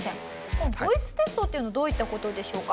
このボイステストっていうのはどういった事でしょうか？